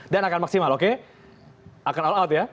dan akan maksimal oke akan all out ya